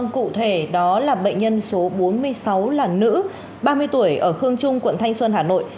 cụ thể đó là bệnh nhân số bốn mươi sáu là nữ ba mươi tuổi ở khương trung quận thanh xuân hà nội